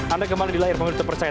anda kembali di layar pemilu terpercaya